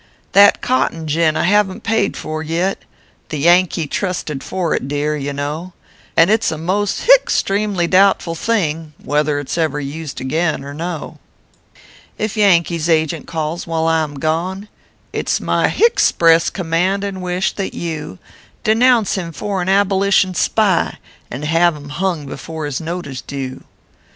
"That cotton gin I haven t paid for yet The Yankee trusted for it, dear, you know, And it s a most (hie) stremely doubtful thing, Whether it s ever used again, or no. ORPHEUS C. KERR PAPERS. 247 " If Yankee s agent calls while I am gone, It s my (hie) spress command and wish, that you Denounce him for an abolition spy, And have him hung before his note is due.